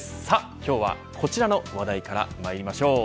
今日はこちらの話題からまいりましょう。